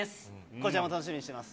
こちらも楽しみにしてます。